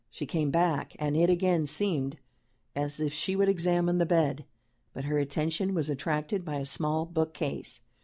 She came back, and it again seemed as if she would examine the bed, but her attention was attracted by a small book case.